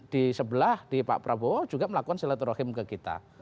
di sebelah di pak prabowo juga melakukan silaturahim ke kita